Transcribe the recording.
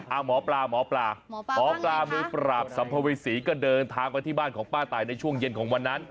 เอาหมอปลาหมอปลาหมอปลามือปราบสัมภเวษีก็เดินทางไปที่บ้านของป้าตายในช่วงเย็นของวันนั้น